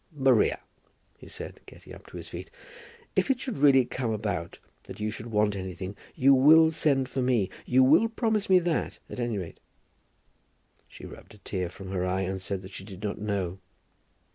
"Maria," he said, getting up on his feet, "if it should really come about that you should want anything, you will send to me. You will promise me that, at any rate?" She rubbed a tear from her eye and said that she did not know.